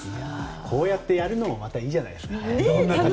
こうやってやるのもまたいいじゃないですか。